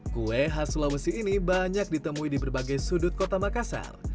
kue khas sulawesi ini banyak ditemui di berbagai sudut kota makassar